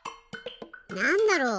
なんだろう？